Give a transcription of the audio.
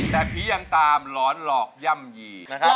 แต่ผียังตามหลอนหลอกย่ำยีนะครับ